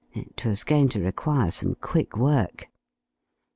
It was going to require some quick work.